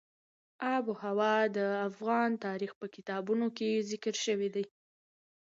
آب وهوا د افغان تاریخ په کتابونو کې ذکر شوی دي.